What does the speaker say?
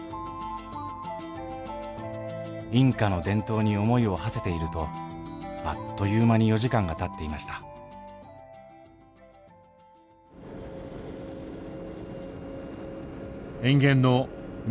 インカの伝統に思いをはせているとあっという間に４時間がたっていました塩原の道